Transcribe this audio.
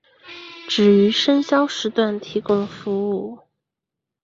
只于深宵时段提供服务。